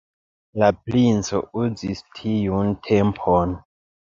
La princo uzis tiun tempon.